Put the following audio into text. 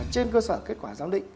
trên cơ sở kết quả giám định